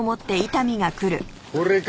これか？